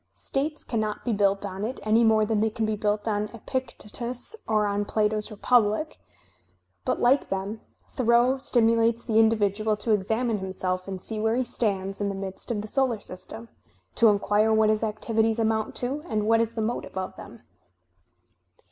States cannot be built on it any more than they can be built on Epictetus or on Plato's "Republic," but like them Thoreau stimulates the individual to examine himself and see where he stands in the midst of the solar system, to inquire what his activities amount to and what is the motive of them.